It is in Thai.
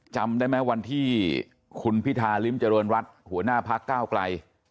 จำได้ไหมวันที่คุณพิธาริมเจริญรัฐหัวหน้าพักก้าวไกล